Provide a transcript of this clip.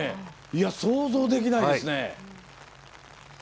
想像できないですね。